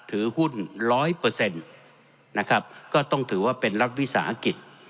ถือหุ้นร้อยเปอร์เซ็นต์นะครับก็ต้องถือว่าเป็นรัฐวิสาหกิจ